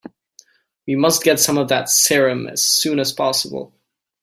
We must get some of that serum as soon as possible.